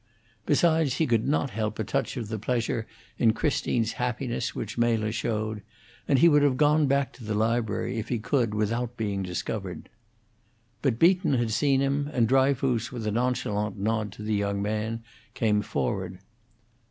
Besides, he could not help a touch of the pleasure in Christine's happiness which Mela showed; and he would have gone back to the library, if he could, without being discovered. But Beaton had seen him, and Dryfoos, with a nonchalant nod to the young man, came forward.